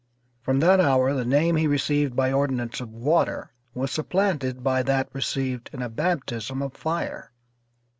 From that hour the name he received by ordinance of water was supplanted by that received in a baptism of fire.